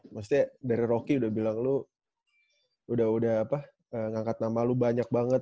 maksudnya dari rocky udah bilang lu udah udah ngangkat nama lo banyak banget